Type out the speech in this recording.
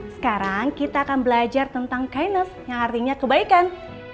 sekarang kita akan belajar tentang chinese yang artinya kebaikan